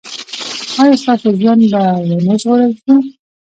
ایا ستاسو ژوند به و نه ژغورل شي؟